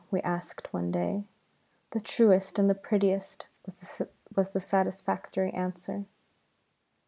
we asked one day. "The truest and the prettiest," was the satisfactory answer.